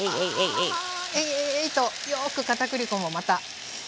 えいえいえいえいとよく片栗粉もまた。